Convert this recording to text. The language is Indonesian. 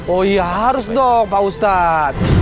oh iya harus dong pak ustadz